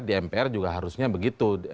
di mpr juga harusnya begitu